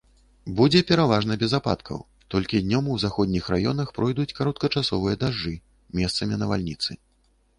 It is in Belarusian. Будзе пераважна без ападкаў, толькі днём у заходніх раёнах пройдуць кароткачасовыя дажджы, месцамі навальніцы.